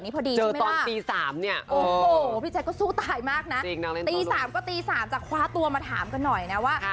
พี่แจ๊ดก็สู้ตายมากนะตี๓ก็ตี๓จากคว้าตัวมาถามกันหน่อยนะว่า